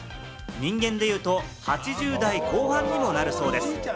人間でいうと８０代後半にもなるそうです。